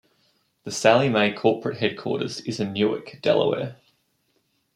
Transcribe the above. The Sallie Mae corporate headquarters is in Newark, Delaware.